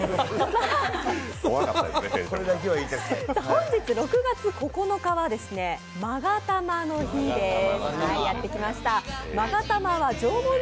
本日６月９日は「まが玉の日」です。